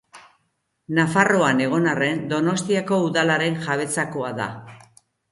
Nafarroan egon arren, Donostiako Udalaren jabetzakoa da.